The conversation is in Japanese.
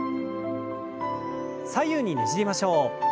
左右にねじりましょう。